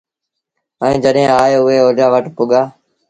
ائيٚݩ جڏهيݩ آئي اُئي اوليآ وٽ پُڳآ